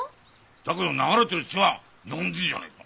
だけど流れてる血は日本人じゃねえか。